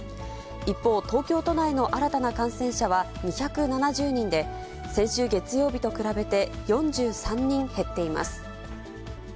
一方、東京都内の新たな感染者は２７０人で、先週月曜日と比べて、４３人減っています。